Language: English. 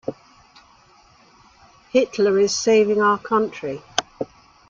Hitler is saving our country.